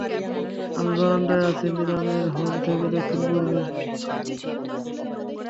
আমি বারান্দায় আছি, নিলামের হল থেকে দক্ষিণ-পূর্বে।